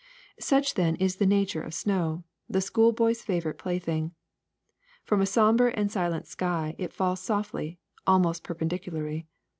^'Such then is the nature of snow, the schoolboy's favorite plaything. From a somber and silent sky it falls softly, almost perpendicularly.